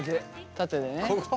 縦でね。